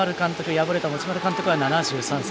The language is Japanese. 敗れた持丸監督は７３歳。